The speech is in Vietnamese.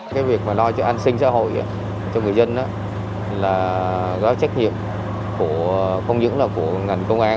cái việc mà lo cho an sinh xã hội cho người dân đó là gói trách nhiệm không những là của ngành công an